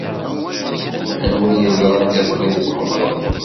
Anwa ay ẓrant iḍelli deg tmeɣra?